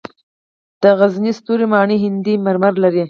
د غزني ستوري ماڼۍ هندي مرمر لري